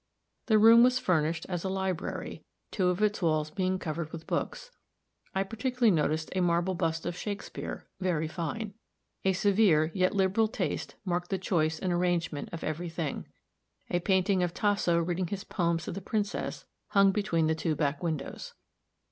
The room was furnished as a library, two of its walls being covered with books; I particularly noticed a marble bust of Shakspeare, very fine. A severe, yet liberal, taste marked the choice and arrangement of every thing. A painting of Tasso reading his poems to the Princess, hung between the two back windows.